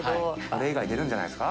あれ以外出るんじゃないです